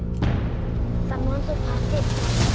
สำนวนสุภาษิต